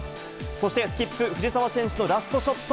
そして、スキップ、藤澤選手のラストショット。